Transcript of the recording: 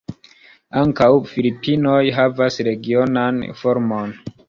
Ankaŭ Filipinoj havas regionan formon.